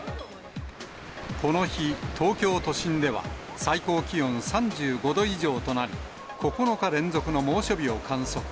この日、東京都心では、最高気温３５度以上となり、９日連続の猛暑日を観測。